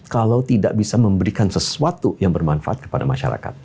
kalau tidak bisa memberikan sesuatu yang bermanfaat kepada masyarakat